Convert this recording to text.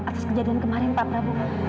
atas kejadian kemarin pak prabowo